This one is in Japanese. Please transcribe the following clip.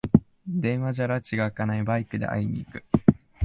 電話じゃらちがあかない、バイクで会いに行く